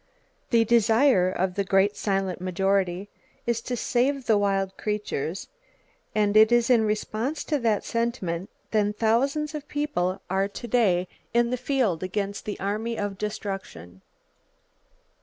The desire of "the great silent majority" is to SAVE the wild creatures; and it [Page 92] is in response to that sentiment that thousands of people are today in the field against the Army of Destruction.